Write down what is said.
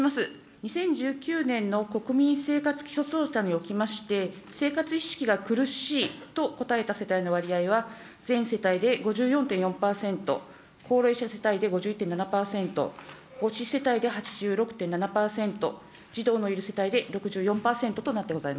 ２０１９年の国民生活基礎調査におきまして、生活意識が苦しいと答えた世帯の割合は全世帯で５４．４％、高齢者世帯で５１．７％、母子世帯で８６．７％、児童のいる世帯で６４％となってござい